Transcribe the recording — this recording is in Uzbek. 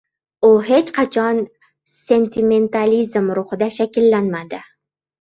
U hech qachon sentimentalizm ruhida shakllanmadi.